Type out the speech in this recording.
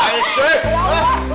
kiamat ya maksiat